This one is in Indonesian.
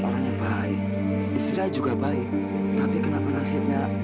sampai jumpa di video selanjutnya